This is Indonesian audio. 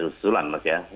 tidak ada usulan mas ya